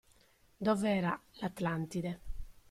Dov'era l'Atlantide.